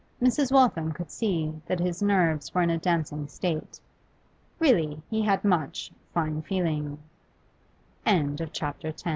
Mrs. Waltham could see that his nerves were in a dancing state. Really, he had much fine feeling. CHAPTER XI It being only